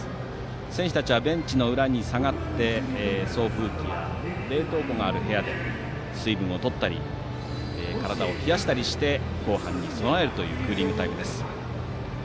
選手たちはベンチの裏に下がって送風機や冷凍庫がある部屋で水分をとったり体を冷やしたりして後半に備えるというクーリングタイムです。